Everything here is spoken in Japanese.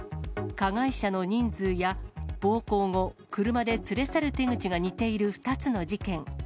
加害者の人数や暴行後、車で連れ去る手口が似ている２つの事件。